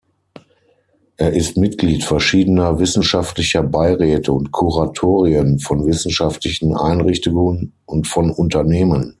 Er ist Mitglied verschiedener wissenschaftlicher Beiräte und Kuratorien von wissenschaftlichen Einrichtungen und von Unternehmen.